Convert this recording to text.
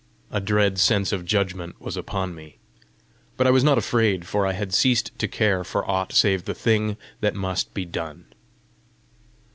A dread sense of judgment was upon me. But I was not afraid, for I had ceased to care for aught save the thing that must be done.